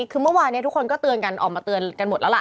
คือเมื่อวานนี้ทุกคนก็เตือนกันออกมาเตือนกันหมดแล้วล่ะ